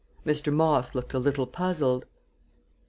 Mr. Moss looked a little puzzled.